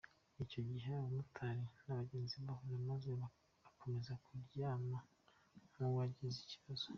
Icyo gihe abamotari n’abagenzi bahuruye maze akomeza kuryama nk’uwagize ikibazo.